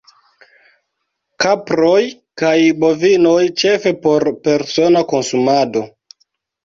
Kaproj kaj bovinoj ĉefe por persona konsumado.